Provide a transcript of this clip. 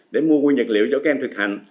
để mua nguyên nhật liệu cho các em thực hành